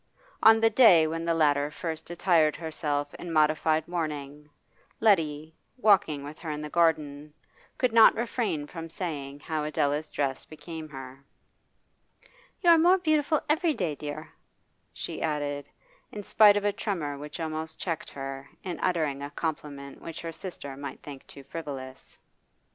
On the day when the latter first attired herself in modified mourning, Letty, walking with her in the garden, could not refrain from saying how Adela's dress became her. 'You are more beautiful every day, dear,' she added, in spite of a tremor which almost checked her in uttering a compliment which her sister might think too frivolous.